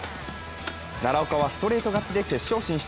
奈良岡はストレート勝ちで決勝進出。